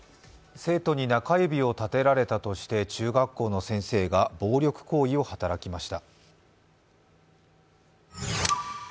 生徒に中指を立てられたとして中学校の先生が暴力行為を働きました。